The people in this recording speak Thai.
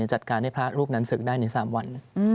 จัดการให้พระรูปนั้นศึกได้ใน๓วัน